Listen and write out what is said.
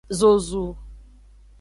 Zozu.